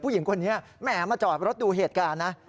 ผู้หญิงคนนี้แหมมาจอดรถดูเหตุการณ์นะ